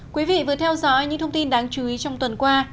quý vị vừa theo dõi những thông tin đáng chú ý trong tuần qua